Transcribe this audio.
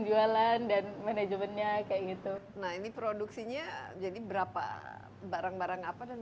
jualan dan manajemennya kayak gitu nah ini produksinya jadi berapa barang barang apa dan